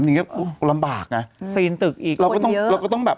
อย่างเงี้ยโอ้ยลำบากอ่ะฟรีนตึกอีกคนเยอะเราก็ต้องแบบ